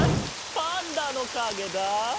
パンダのかげだ。